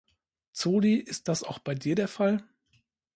Zoli, ist das auch bei dir der Fall?